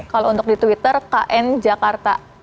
kalau untuk di twitter kn jakarta